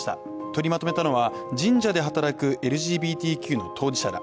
取りまとめたのは神社で働くＬＧＢＴＱの当事者ら。